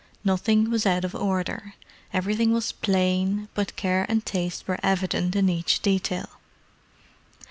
Nothing was out of order; everything was plain, but care and taste were evident in each detail.